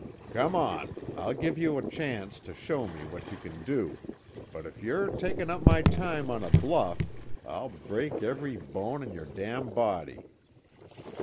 "Come on. I'll give you a chance to show me what you can do, but if you're takin' up my time on a bluff I'll break every bone in your body!"